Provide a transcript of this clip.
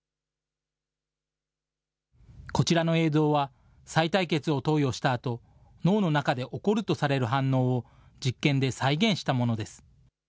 こちらの映像は、さい帯血を投与したあと、脳の中で起こるとされる反応を、実験で再現したものです。